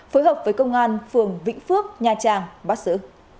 phối hợp với công an phường vĩnh phước nha trang bắt giữ